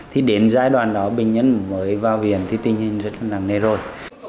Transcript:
thì đến giai đoạn đó bệnh nhân mới vào viện thì tình hình rất là nặng nề rồi